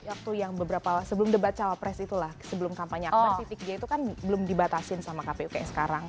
waktu yang beberapa sebelum debat cawa press itulah sebelum kampanye akbar titik dia itu kan belum dibatasin sama kpuk sekarang